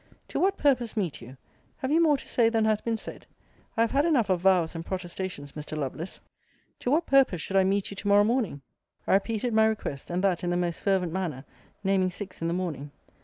To what purpose meet you? Have you more to say than has been said? I have had enough of vows and protestations, Mr. Lovelace. To what purpose should I meet you to morrow morning? I repeated my request, and that in the most fervent manner, naming six in the morning.